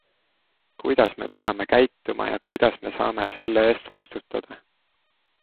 Kuidas me peame käituma ja kuidas me saame selle eest vastutada?